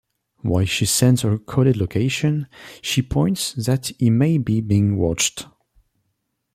While she sends her coded location, she points that he may be being watched.